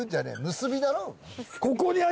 結びだろ？